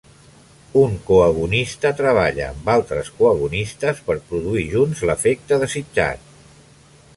Un coagonista treballa amb altres coagonistes per produir junts l'efecte desitjat.